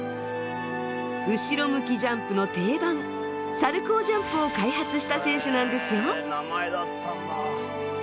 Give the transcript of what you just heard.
後ろ向きジャンプの定番サルコージャンプを開発した選手なんですよ。